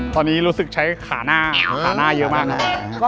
ตอนนี้รู้สึกใช้ขาหน้าเยอะมาก